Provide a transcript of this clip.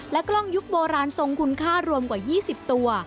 กล้องยุคโบราณทรงคุณค่ารวมกว่า๒๐ตัว